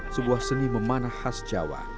sebuah seni memanah khas jawa